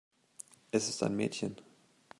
Es ist ein Mädchen.